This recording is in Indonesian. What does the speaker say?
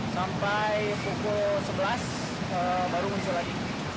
sampai pukul sebelas baru muncul lagi